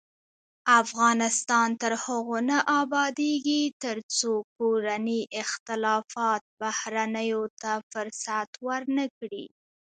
افغانستان تر هغو نه ابادیږي، ترڅو کورني اختلافات بهرنیو ته فرصت ورنکړي.